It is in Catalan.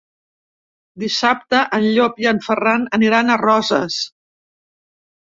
Dissabte en Llop i en Ferran aniran a Roses.